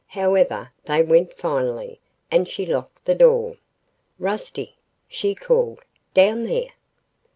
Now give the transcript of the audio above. However, they went finally, and she locked the door. "Rusty!" she called, "Down there!"